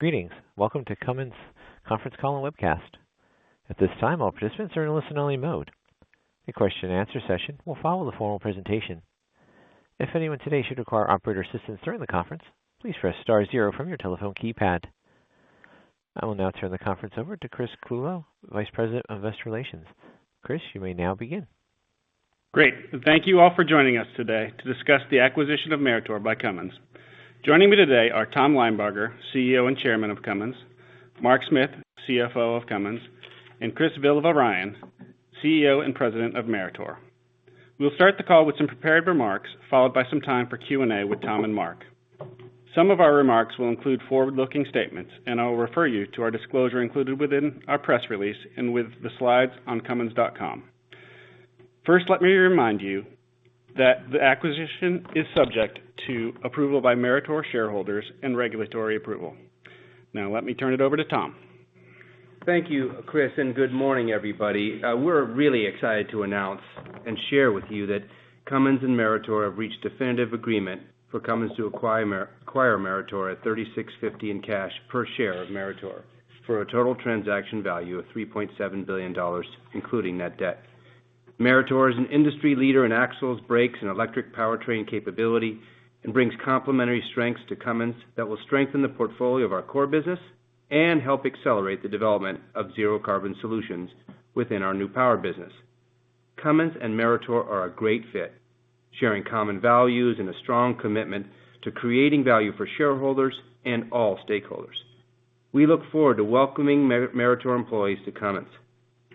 Greetings. Welcome to Cummins conference call and webcast. At this time, all participants are in listen only mode. A question and answer session will follow the formal presentation. If anyone today should require operator assistance during the conference, please press star zero from your telephone keypad. I will now turn the conference over to Chris Clulow, Vice President of Investor Relations. Chris, you may now begin. Great. Thank you all for joining us today to discuss the acquisition of Meritor by Cummins. Joining me today are Tom Linebarger, CEO and Chairman of Cummins, Mark Smith, CFO of Cummins, and Chris Villavarayan, CEO and President of Meritor. We'll start the call with some prepared remarks, followed by some time for Q&A with Tom and Mark. Some of our remarks will include forward-looking statements, and I will refer you to our disclosure included within our press release and with the slides on cummins.com. First, let me remind you that the acquisition is subject to approval by Meritor shareholders and regulatory approval. Now, let me turn it over to Tom. Thank you, Chris, and good morning, everybody. We're really excited to announce and share with you that Cummins and Meritor have reached definitive agreement for Cummins to acquire Meritor at $36.50 in cash per share of Meritor for a total transaction value of $3.7 billion, including net debt. Meritor is an industry leader in axles, brakes, and electric powertrain capability and brings complementary strengths to Cummins that will strengthen the portfolio of our core business and help accelerate the development of zero carbon solutions within our New Power business. Cummins and Meritor are a great fit, sharing common values and a strong commitment to creating value for shareholders and all stakeholders. We look forward to welcoming Meritor employees to Cummins.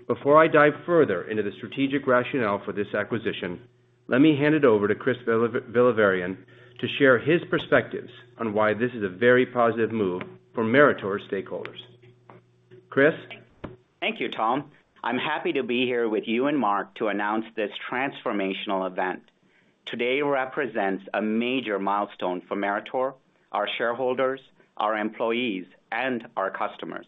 Before I dive further into the strategic rationale for this acquisition, let me hand it over to Chris Villavarayan to share his perspectives on why this is a very positive move for Meritor stakeholders. Chris? Thank you, Tom. I'm happy to be here with you and Mark to announce this transformational event. Today represents a major milestone for Meritor, our shareholders, our employees, and our customers.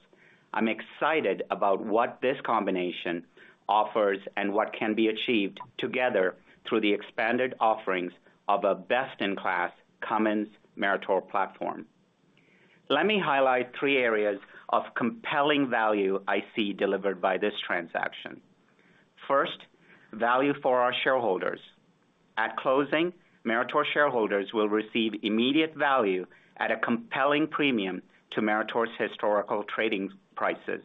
I'm excited about what this combination offers and what can be achieved together through the expanded offerings of a best-in-class Cummins Meritor platform. Let me highlight three areas of compelling value I see delivered by this transaction. First, value for our shareholders. At closing, Meritor shareholders will receive immediate value at a compelling premium to Meritor's historical trading prices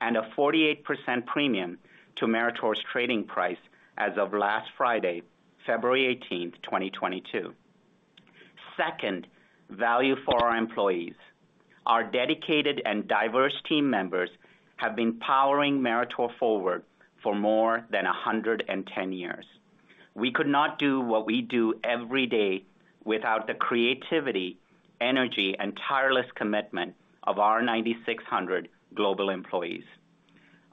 and a 48% premium to Meritor's trading price as of last Friday, February 18th, 2022. Second, value for our employees. Our dedicated and diverse team members have been powering Meritor forward for more than 110 years. We could not do what we do every day without the creativity, energy, and tireless commitment of our 9,600 global employees.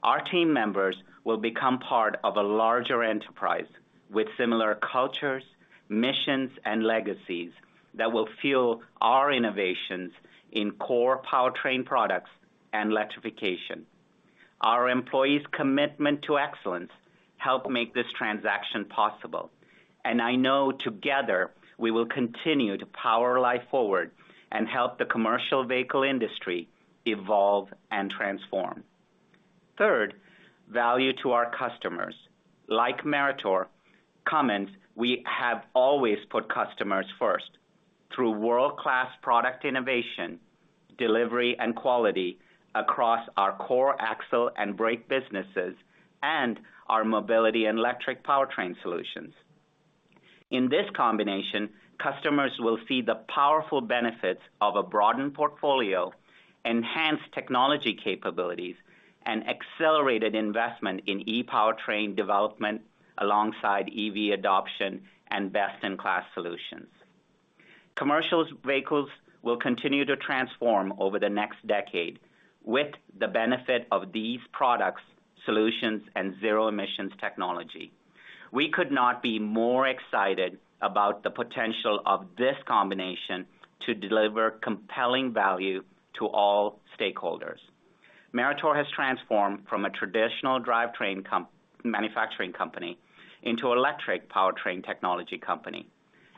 Our team members will become part of a larger enterprise with similar cultures, missions, and legacies that will fuel our innovations in core powertrain products and electrification. Our employees' commitment to excellence helped make this transaction possible, and I know together we will continue to power life forward and help the commercial vehicle industry evolve and transform. Third, value to our customers. Like Meritor, Cummins, we have always put customers first through world-class product innovation, delivery, and quality across our core axle and brake businesses and our mobility and electric powertrain solutions. In this combination, customers will see the powerful benefits of a broadened portfolio, enhanced technology capabilities, and accelerated investment in e-powertrain development alongside EV adoption and best-in-class solutions. Commercial vehicles will continue to transform over the next decade with the benefit of these products, solutions, and zero emissions technology. We could not be more excited about the potential of this combination to deliver compelling value to all stakeholders. Meritor has transformed from a traditional drivetrain manufacturing company into electric powertrain technology company,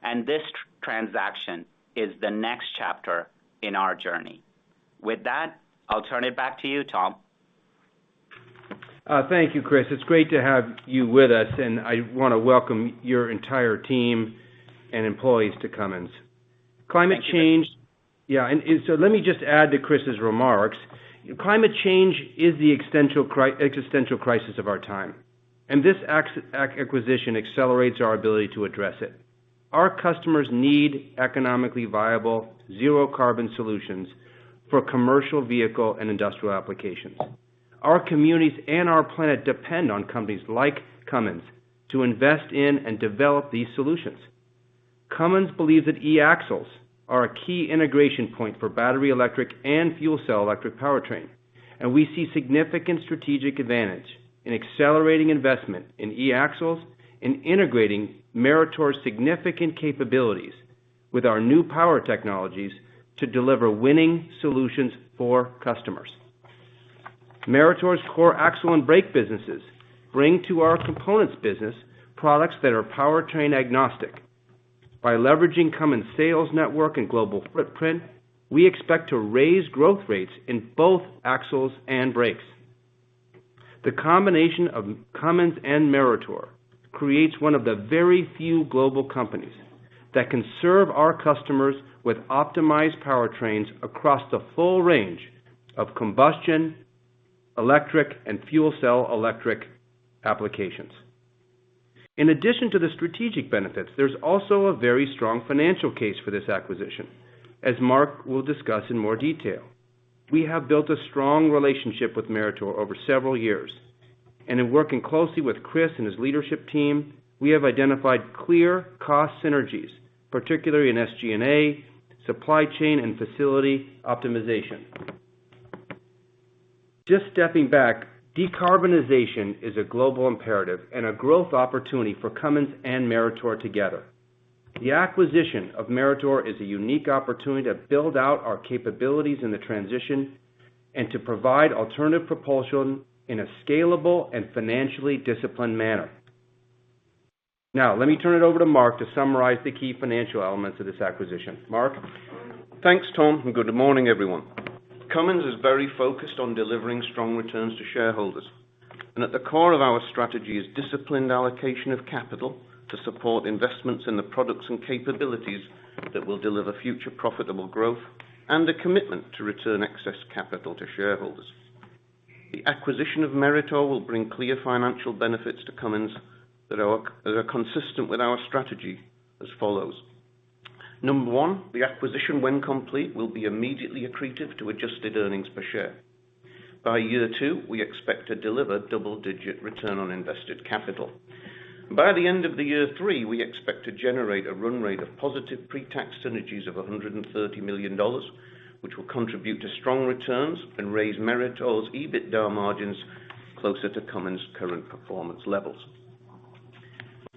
and this transaction is the next chapter in our journey. With that, I'll turn it back to you, Tom. Thank you, Chris. It's great to have you with us, and I wanna welcome your entire team and employees to Cummins. Thank you. Yeah, let me just add to Chris's remarks. Climate change is the existential crisis of our time, and this acquisition accelerates our ability to address it. Our customers need economically viable zero carbon solutions for commercial vehicle and industrial applications. Our communities and our planet depend on companies like Cummins to invest in and develop these solutions. Cummins believes that e-axles are a key integration point for battery electric and fuel cell electric powertrain, and we see significant strategic advantage in accelerating investment in e-axles and integrating Meritor's significant capabilities with our new power technologies to deliver winning solutions for customers. Meritor's core axle and brake businesses bring to our components business products that are powertrain-agnostic. By leveraging Cummins' sales network and global footprint, we expect to raise growth rates in both axles and brakes. The combination of Cummins and Meritor creates one of the very few global companies that can serve our customers with optimized powertrains across the full range of combustion, electric, and fuel cell electric applications. In addition to the strategic benefits, there's also a very strong financial case for this acquisition, as Mark will discuss in more detail. We have built a strong relationship with Meritor over several years, and in working closely with Chris and his leadership team, we have identified clear cost synergies, particularly in SG&A, supply chain, and facility optimization. Just stepping back, decarbonization is a global imperative and a growth opportunity for Cummins and Meritor together. The acquisition of Meritor is a unique opportunity to build out our capabilities in the transition and to provide alternative propulsion in a scalable and financially disciplined manner. Now, let me turn it over to Mark to summarize the key financial elements of this acquisition. Mark? Thanks, Tom, and good morning, everyone. Cummins is very focused on delivering strong returns to shareholders. At the core of our strategy is disciplined allocation of capital to support investments in the products and capabilities that will deliver future profitable growth and a commitment to return excess capital to shareholders. The acquisition of Meritor will bring clear financial benefits to Cummins that are consistent with our strategy as follows. Number one, the acquisition, when complete, will be immediately accretive to adjusted earnings per share. By year two, we expect to deliver double-digit return on invested capital. By the end of year three, we expect to generate a run rate of positive pre-tax synergies of $130 million, which will contribute to strong returns and raise Meritor's EBITDA margins closer to Cummins' current performance levels.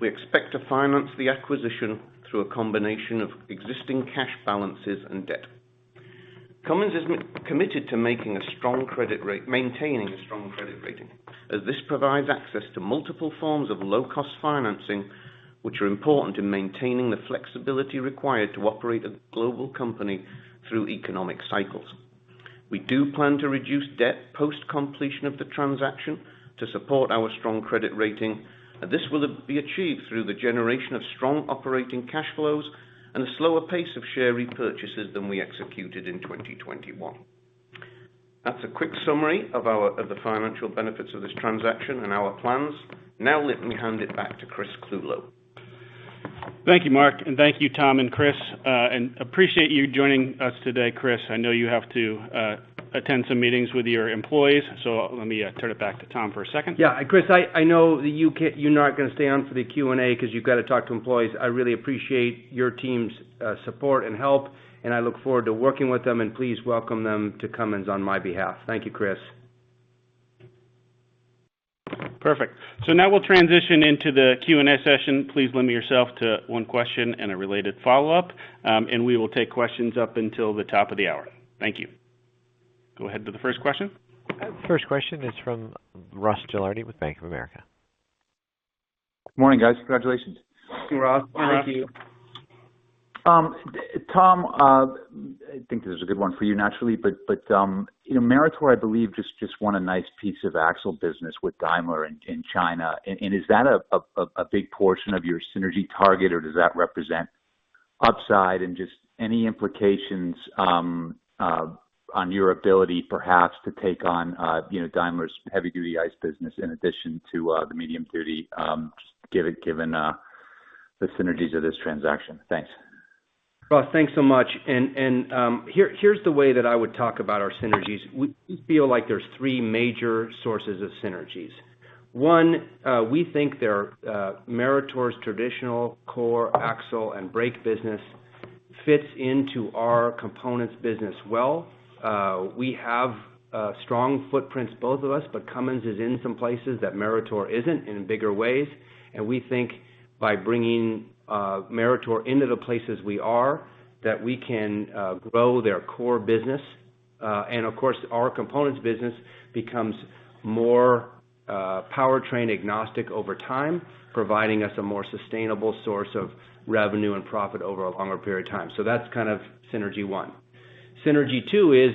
We expect to finance the acquisition through a combination of existing cash balances and debt. Cummins is committed to maintaining a strong credit rating, as this provides access to multiple forms of low-cost financing, which are important in maintaining the flexibility required to operate a global company through economic cycles. We do plan to reduce debt post-completion of the transaction to support our strong credit rating. This will be achieved through the generation of strong operating cash flows and a slower pace of share repurchases than we executed in 2021. That's a quick summary of the financial benefits of this transaction and our plans. Now let me hand it back to Chris Clulow. Thank you, Mark. Thank you, Tom and Chris. I appreciate you joining us today, Chris. I know you have to attend some meetings with your employees, so let me turn it back to Tom for a second. Yeah. Chris, I know that you're not gonna stay on for the Q&A 'cause you've gotta talk to employees. I really appreciate your team's support and help, and I look forward to working with them, and please welcome them to Cummins on my behalf. Thank you, Chris. Perfect. Now we'll transition into the Q&A session. Please limit yourself to one question and a related follow-up. We will take questions up until the top of the hour. Thank you. Go ahead to the first question. First question is from Ross Gilardi with Bank of America. Morning, guys. Congratulations. Ross. Thank you. Tom, I think this is a good one for you, naturally, but you know, Meritor, I believe, just won a nice piece of axle business with Daimler in China. Is that a big portion of your synergy target, or does that represent upside and just any implications on your ability perhaps to take on, you know, Daimler's heavy-duty ICE business in addition to the medium duty, just given the synergies of this transaction? Thanks. Ross, thanks so much. Here's the way that I would talk about our synergies. We feel like there's three major sources of synergies. One, we think their Meritor's traditional core axle and brake business fits into our components business well. We have strong footprints, both of us, but Cummins is in some places that Meritor isn't in bigger ways. We think by bringing Meritor into the places we are, that we can grow their core business. Of course, our components business becomes more powertrain-agnostic over time, providing us a more sustainable source of revenue and profit over a longer period of time. That's kind of synergy one. Synergy two is,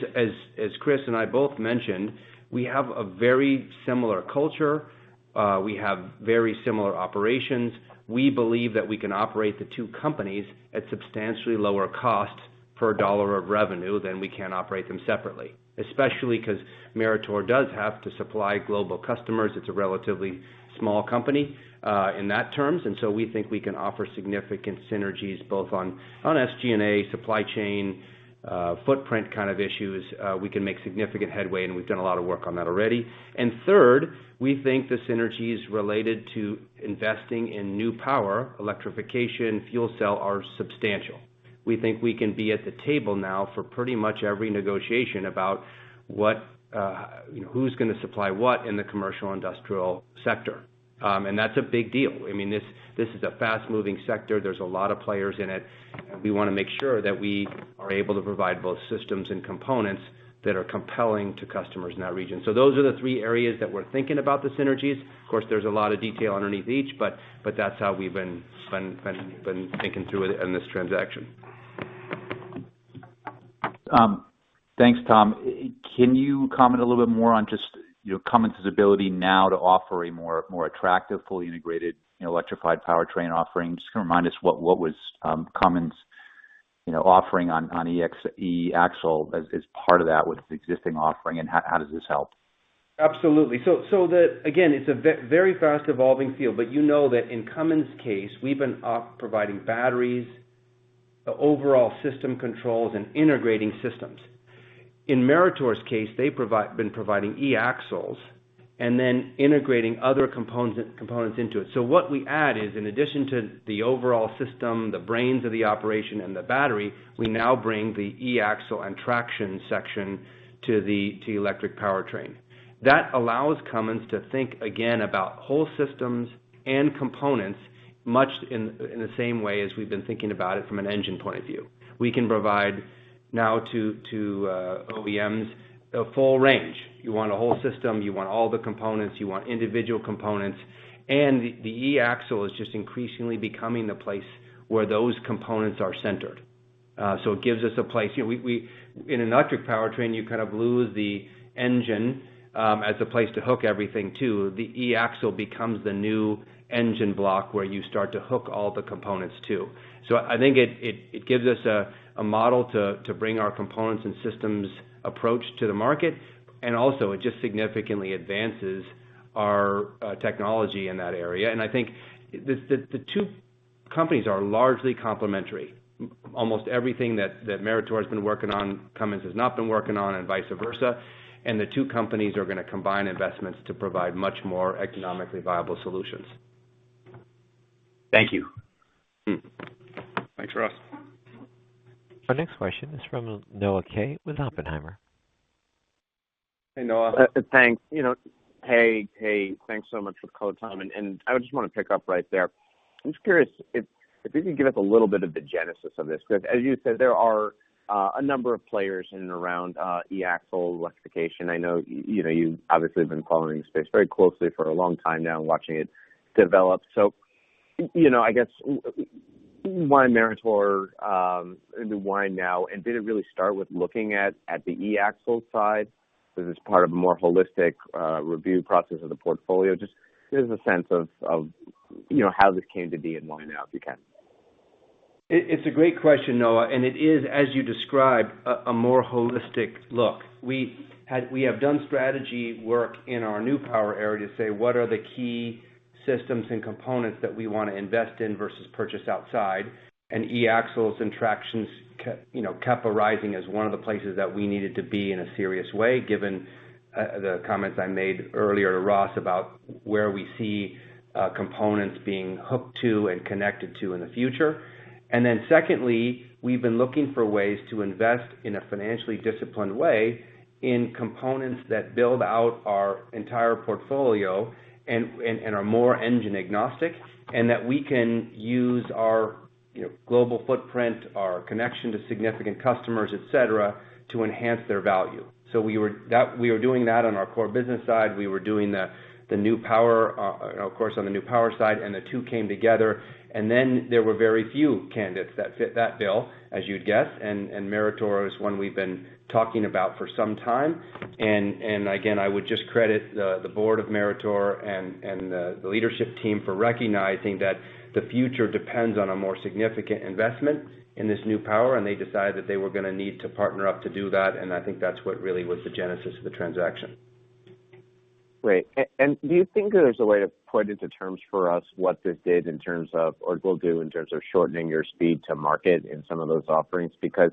as Chris and I both mentioned, we have a very similar culture. We have very similar operations. We believe that we can operate the two companies at substantially lower cost per dollar of revenue than we can operate them separately, especially 'cause Meritor does have to supply global customers. It's a relatively small company in that terms. We think we can offer significant synergies both on SG&A, supply chain, footprint kind of issues. We can make significant headway, and we've done a lot of work on that already. Third, we think the synergies related to investing in New Power, electrification, fuel cell are substantial. We think we can be at the table now for pretty much every negotiation about what, you know, who's gonna supply what in the commercial industrial sector. That's a big deal. I mean, this is a fast-moving sector. There's a lot of players in it. We wanna make sure that we are able to provide both systems and components that are compelling to customers in that region. Those are the three areas that we're thinking about the synergies. Of course, there's a lot of detail underneath each, but that's how we've been thinking through it in this transaction. Thanks, Tom. Can you comment a little bit more on just, you know, Cummins' ability now to offer a more attractive, fully integrated, you know, electrified powertrain offering? Just kinda remind us what was Cummins, you know, offering on e-axle as part of that with its existing offering, and how does this help? Absolutely. Again, it's a very fast-evolving field, but you know that in Cummins' case, we've been providing batteries, overall system controls, and integrating systems. In Meritor's case, they've been providing e-axles and then integrating other components into it. What we add is, in addition to the overall system, the brains of the operation and the battery, we now bring the e-axle and traction section to the electric powertrain. That allows Cummins to think again about whole systems and components, much in the same way as we've been thinking about it from an engine point of view. We can provide now to OEMs a full range. You want a whole system, you want all the components, you want individual components. The e-axle is just increasingly becoming the place where those components are centered. It gives us a place. You know, in an electric powertrain, you kind of lose the engine as a place to hook everything to. The e-axle becomes the new engine block where you start to hook all the components to. I think it gives us a model to bring our components and systems approach to the market, and also it just significantly advances our technology in that area. I think the two companies are largely complementary. Almost everything that Meritor's been working on, Cummins has not been working on, and vice versa. The two companies are gonna combine investments to provide much more economically viable solutions. Thank you. Thanks, Ross. Our next question is from Noah Kaye with Oppenheimer. Hey, Noah. Thanks. Hey. Hey, thanks so much for the call, Tom. I just wanna pick up right there. I'm just curious if you could give us a little bit of the genesis of this. 'Cause as you said, there are a number of players in and around e-axle electrification. I know, you know, you obviously have been following the space very closely for a long time now and watching it develop. So, you know, I guess why Meritor, and why now? Did it really start with looking at the e-axle side? Was this part of a more holistic review process of the portfolio? Just give us a sense of you know, how this came to be and why now, if you can. It's a great question, Noah, and it is, as you described, a more holistic look. We have done strategy work in our New Power area to say, what are the key systems and components that we wanna invest in versus purchase outside? E-axles and tractions, you know, kept arising as one of the places that we needed to be in a serious way, given the comments I made earlier to Ross about where we see components being hooked to and connected to in the future. Secondly, we've been looking for ways to invest in a financially disciplined way in components that build out our entire portfolio and are more engine agnostic, and that we can use our, you know, global footprint, our connection to significant customers, et cetera, to enhance their value. We were... We were doing that on our core business side. We were doing the New Power, of course, on the New Power side, and the two came together. Then there were very few candidates that fit that bill, as you'd guess, and Meritor is one we've been talking about for some time. Again, I would just credit the board of Meritor and the leadership team for recognizing that the future depends on a more significant investment in this New Power, and they decided that they were gonna need to partner up to do that, and I think that's what really was the genesis of the transaction. Great. And do you think there's a way to put into terms for us what this did in terms of or will do in terms of shortening your speed to market in some of those offerings? Because,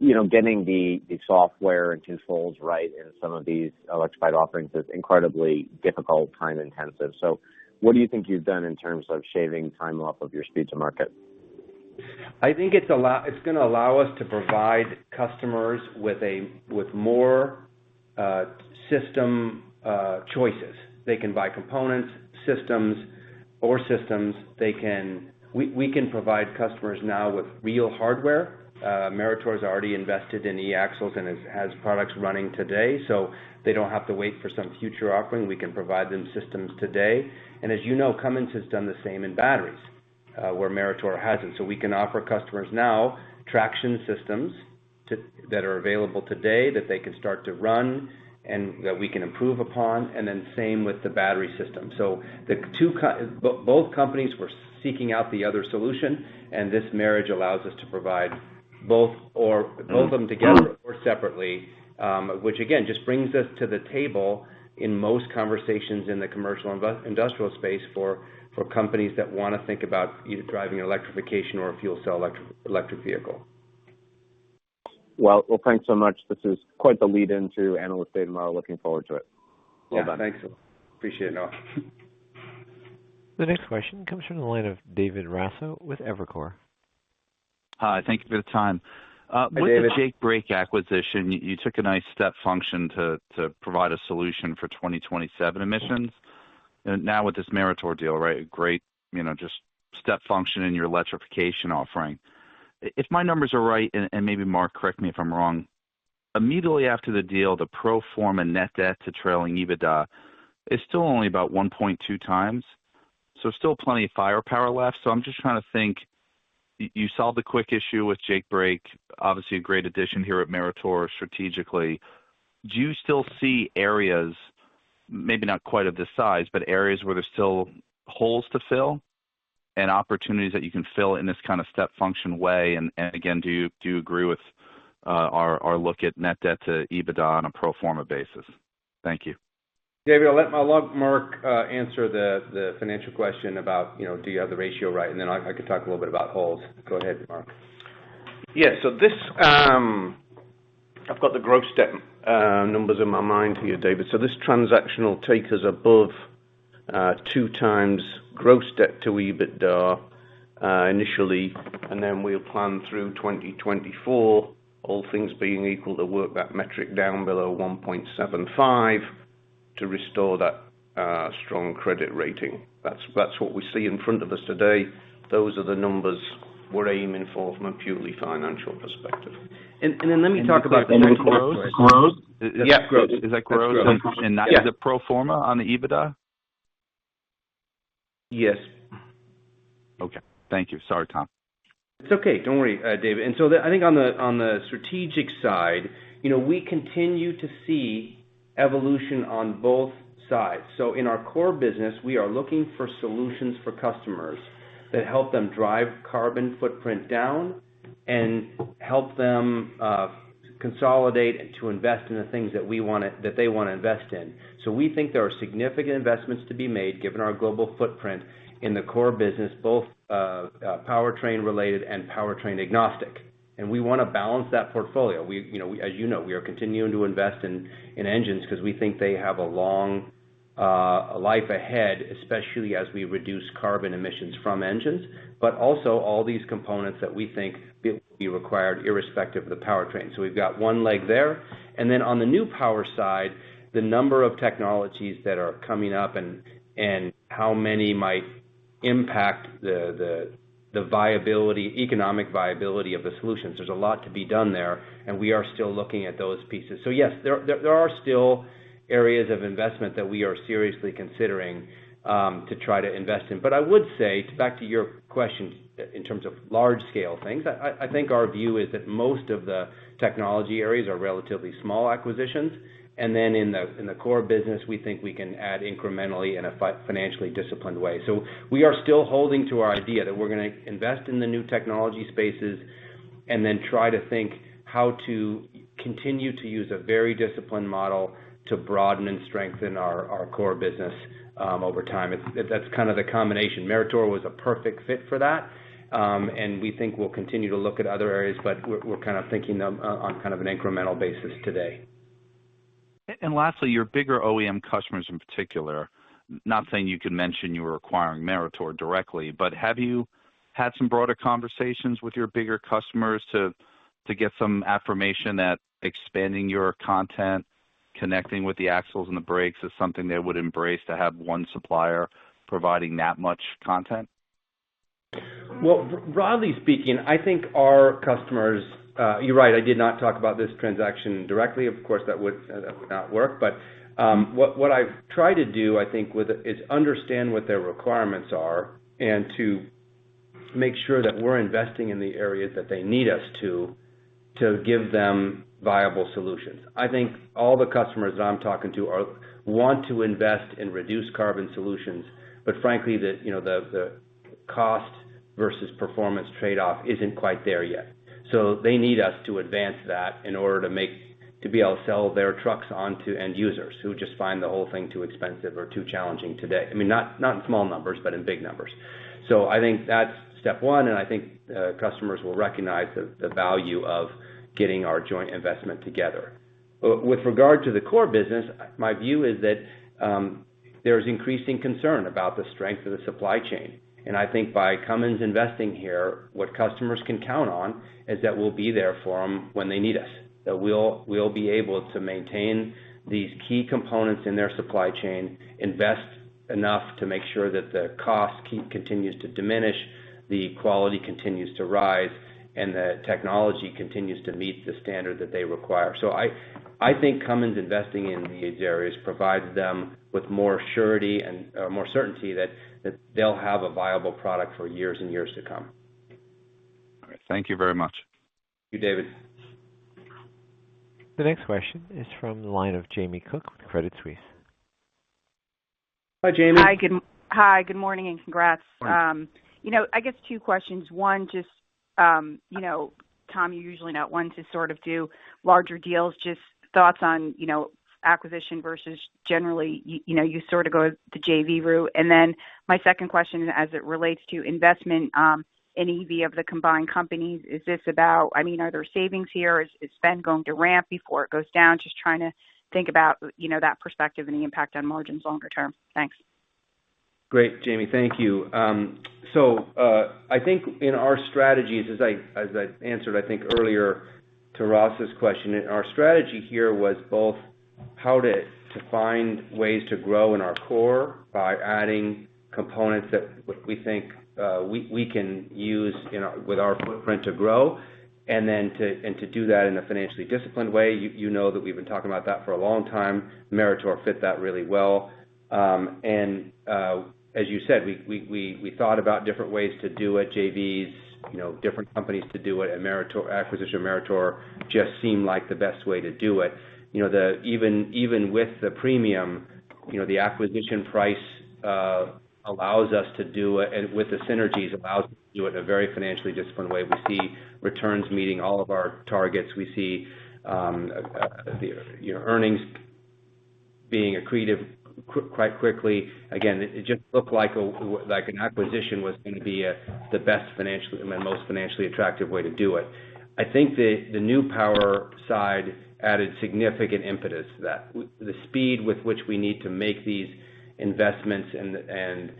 you know, getting the software and controls right in some of these electrified offerings is incredibly difficult, time-intensive. What do you think you've done in terms of shaving time off of your speed to market? I think it's gonna allow us to provide customers with more system choices. They can buy components or systems. They can. We can provide customers now with real hardware. Meritor's already invested in e-axles and has products running today, so they don't have to wait for some future offering. We can provide them systems today. As you know, Cummins has done the same in batteries, where Meritor hasn't. We can offer customers now traction systems that are available today that they can start to run and that we can improve upon, and then same with the battery system. Both companies were seeking out the other solution, and this marriage allows us to provide both or both of them together or separately, which again just brings us to the table in most conversations in the commercial industrial space for companies that wanna think about either driving electrification or a fuel cell electric vehicle. Well, thanks so much. This is quite the lead into Analyst Day tomorrow. Looking forward to it. Well done. Yeah, thanks. Appreciate it now. The next question comes from the line of David Raso with Evercore ISI. Hi, thank you for the time. Hey, David. With the Jake Brake acquisition, you took a nice step function to provide a solution for 2027 emissions. Now with this Meritor deal, right, a great, you know, just step function in your electrification offering. If my numbers are right, and maybe Mark, correct me if I'm wrong, immediately after the deal, the pro forma net debt to trailing EBITDA is still only about 1.2 times. Still plenty of firepower left. I'm just trying to think, you solved the quick issue with Jake Brake. Obviously, a great addition here at Meritor strategically. Do you still see areas, maybe not quite of this size, but areas where there's still holes to fill and opportunities that you can fill in this kind of step function way? Do you agree with our look at net debt to EBITDA on a pro forma basis? Thank you. David, I'll let Mark answer the financial question about, you know, do you have the ratio right? I could talk a little bit about goals. Go ahead, Mark. Yes. This, I've got the gross debt numbers in my mind here, David. This transaction will take us above two times gross debt to EBITDA initially, and then we'll plan through 2024, all things being equal, to work that metric down below 1.75 to restore that strong credit rating. That's what we see in front of us today. Those are the numbers we're aiming for from a purely financial perspective. Let me talk about the New Power- Gross? Yeah, gross. Is that gross? That's gross. That is a pro forma on the EBITDA? Yes. Okay. Thank you. Sorry, Tom. It's okay. Don't worry, David. I think on the strategic side, you know, we continue to see evolution on both sides. In our core business, we are looking for solutions for customers that help them drive carbon footprint down and help them consolidate to invest in the things that they wanna invest in. We think there are significant investments to be made, given our global footprint in the core business, both powertrain-related and powertrain-agnostic. We wanna balance that portfolio. We, you know, as you know, we are continuing to invest in engines because we think they have a long life ahead, especially as we reduce carbon emissions from engines, but also all these components that we think will be required irrespective of the powertrain. We've got one leg there. Then on the New Power side, the number of technologies that are coming up and how many might impact the economic viability of the solutions. There's a lot to be done there, and we are still looking at those pieces. Yes, there are still areas of investment that we are seriously considering to try to invest in. But I would say, back to your question in terms of large scale things, I think our view is that most of the technology areas are relatively small acquisitions. Then in the core business, we think we can add incrementally in a financially disciplined way. We are still holding to our idea that we're gonna invest in the new technology spaces and then try to think how to continue to use a very disciplined model to broaden and strengthen our core business over time. That's kind of the combination. Meritor was a perfect fit for that. We think we'll continue to look at other areas, but we're kind of thinking them on kind of an incremental basis today. Lastly, your bigger OEM customers in particular, not saying you can mention you were acquiring Meritor directly, but have you had some broader conversations with your bigger customers to get some affirmation that expanding your content, connecting with the axles and the brakes is something they would embrace to have one supplier providing that much content? Well, broadly speaking, I think our customers, you're right, I did not talk about this transaction directly. Of course, that would not work. What I've tried to do, I think with it is understand what their requirements are and to make sure that we're investing in the areas that they need us to give them viable solutions. I think all the customers that I'm talking to want to invest in reduced carbon solutions. Frankly, the cost versus performance trade-off isn't quite there yet. They need us to advance that in order to be able to sell their trucks onto end users who just find the whole thing too expensive or too challenging today. I mean, not in small numbers, but in big numbers. I think that's step one, and I think, customers will recognize the value of getting our joint investment together. With regard to the core business, my view is that, there's increasing concern about the strength of the supply chain. I think by Cummins investing here, what customers can count on is that we'll be there for them when they need us. That we'll be able to maintain these key components in their supply chain, invest enough to make sure that the cost continues to diminish, the quality continues to rise, and the technology continues to meet the standard that they require. I think Cummins investing in these areas provides them with more surety and, more certainty that, they'll have a viable product for years and years to come. All right. Thank you very much. Thank you, David. The next question is from the line of Jamie Cook with Credit Suisse. Hi, Jamie. Hi, good morning and congrats. Thanks. You know, I guess two questions. One, just, you know, Tom, you're usually not one to sort of do larger deals, just thoughts on, you know, acquisition versus generally, you know, you sort of go the JV route. Then my second question as it relates to investment, NPV of the combined companies, is this about, I mean, are there savings here? Is spend going to ramp before it goes down? Just trying to think about, you know, that perspective and the impact on margins longer term. Thanks. Great, Jamie. Thank you. I think in our strategies, as I answered, I think earlier to Ross's question, our strategy here was both how to find ways to grow in our core by adding components that we think we can use with our footprint to grow, and to do that in a financially disciplined way. You know that we've been talking about that for a long time. Meritor fit that really well. As you said, we thought about different ways to do it, JVs, you know, different companies to do it, and Meritor acquisition of Meritor just seemed like the best way to do it. You know, even with the premium, you know, the acquisition price allows us to do it, and with the synergies allows us to do it in a very financially disciplined way. We see returns meeting all of our targets. We see, you know, earnings being accretive quite quickly. Again, it just looked like an acquisition was gonna be the best financially and the most financially attractive way to do it. I think the New Power side added significant impetus to that. The speed with which we need to make these investments and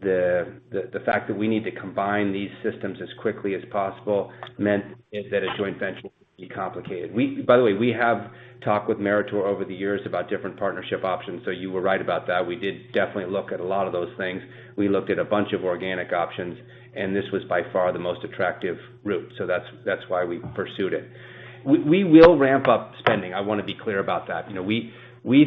the fact that we need to combine these systems as quickly as possible meant that a joint venture would be complicated. By the way, we have talked with Meritor over the years about different partnership options. You were right about that. We did definitely look at a lot of those things. We looked at a bunch of organic options, and this was by far the most attractive route. That's why we pursued it. We will ramp up spending. I wanna be clear about that. You know, we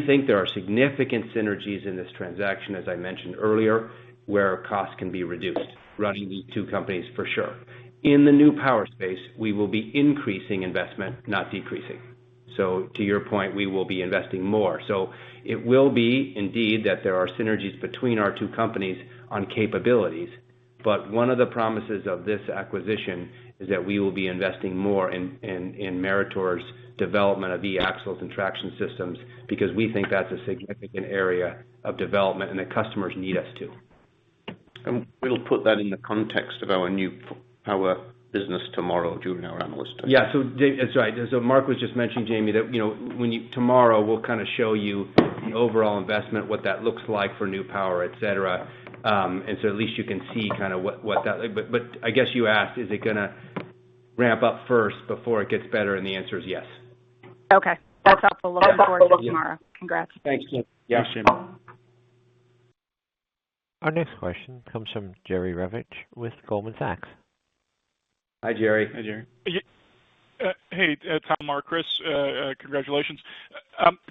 think there are significant synergies in this transaction, as I mentioned earlier, where costs can be reduced running these two companies, for sure. In the New Power space, we will be increasing investment, not decreasing. To your point, we will be investing more. It will be indeed that there are synergies between our two companies on capabilities, but one of the promises of this acquisition is that we will be investing more in Meritor's development of e-axles and traction systems because we think that's a significant area of development and that customers need us to. We'll put that in the context of our New Power business tomorrow during our Analyst Day. Yeah. That's right. Mark was just mentioning, Jamie, that, you know, tomorrow, we'll kind of show you the overall investment, what that looks like for New Power, et cetera, at least you can see kind of what that. I guess you asked, is it gonna ramp up first before it gets better? The answer is yes. Okay. That's helpful. Yeah. Look forward to tomorrow. Congrats. Thanks, Jamie. Appreciation. Our next question comes from Jerry Revich with Goldman Sachs. Hi, Jerry. Hi, Jerry. Hey, Tom, Mark, Chris, congratulations.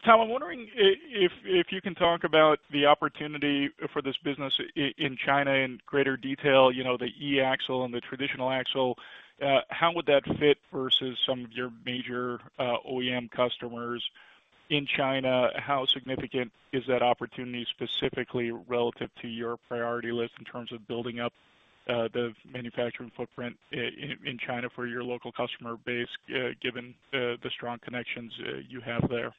Tom, I'm wondering if you can talk about the opportunity for this business in China in greater detail, you know, the e-axle and the traditional axle, how would that fit versus some of your major OEM customers in China? How significant is that opportunity specifically relative to your priority list in terms of building up the manufacturing footprint in China for your local customer base, given the strong connections you have there?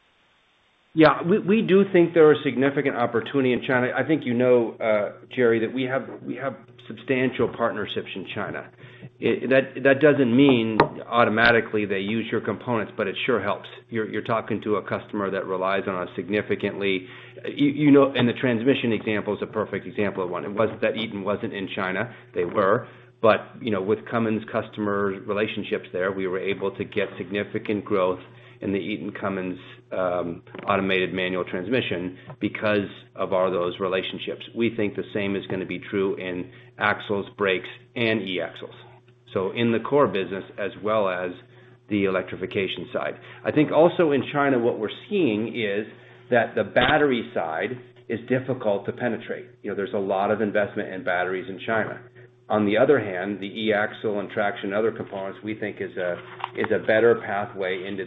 Yeah. We do think there are significant opportunity in China. I think you know, Jerry, that we have substantial partnerships in China. That doesn't mean automatically they use your components, but it sure helps. You're talking to a customer that relies on us significantly. You know, the transmission example is a perfect example of one. It wasn't that Eaton wasn't in China, they were. You know, with Cummins customer relationships there, we were able to get significant growth in the Eaton Cummins automated manual transmission because of all those relationships. We think the same is gonna be true in axles, brakes, and e-axles. In the core business as well as the electrification side. I think also in China, what we're seeing is that the battery side is difficult to penetrate. You know, there's a lot of investment in batteries in China. On the other hand, the e-axle and traction and other components, we think is a better pathway into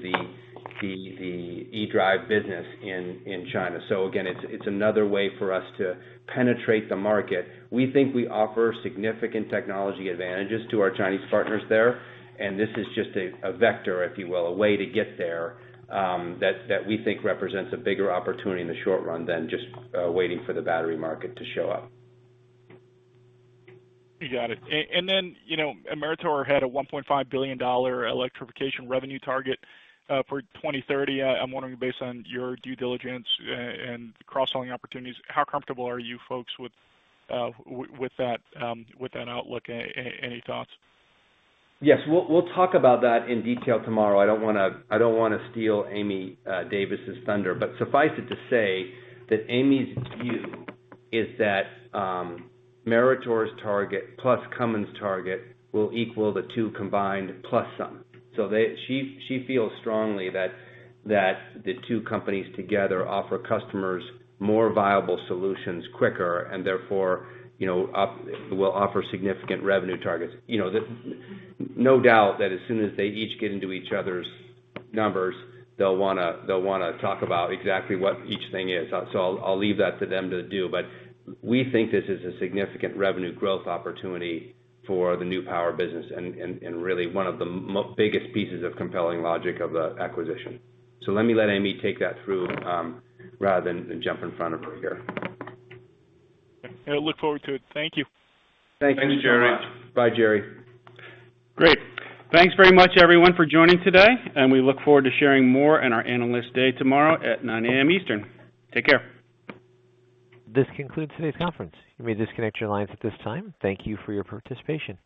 the e-drive business in China. So again, it's another way for us to penetrate the market. We think we offer significant technology advantages to our Chinese partners there, and this is just a vector, if you will, a way to get there, that we think represents a bigger opportunity in the short run than just waiting for the battery market to show up. You got it. You know, Meritor had a $1.5 billion electrification revenue target for 2030. I'm wondering, based on your due diligence and cross-selling opportunities, how comfortable are you folks with that outlook? Any thoughts? Yes. We'll talk about that in detail tomorrow. I don't wanna steal Amy Davis' thunder, but suffice it to say that Amy's view is that Meritor's target plus Cummins' target will equal the two combined plus some. She feels strongly that the two companies together offer customers more viable solutions quicker and therefore, you know, will offer significant revenue targets. You know. No doubt that as soon as they each get into each other's numbers, they'll wanna talk about exactly what each thing is. I'll leave that to them to do. But we think this is a significant revenue growth opportunity for the New Power business and really one of the biggest pieces of compelling logic of the acquisition. Let me let Amy take that through, rather than jump in front of her here. I look forward to it. Thank you. Thank you, Jerry. Thanks very much. Bye, Jerry. Great. Thanks very much, everyone, for joining today, and we look forward to sharing more in our Analyst Day tomorrow at 9:00 A.M. Eastern. Take care. This concludes today's conference. You may disconnect your lines at this time. Thank you for your participation.